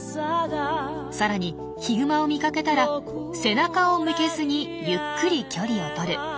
さらにヒグマを見かけたら背中を向けずにゆっくり距離をとる。